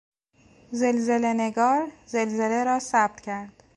زلزلهنگار زلزله را ثبت کرد.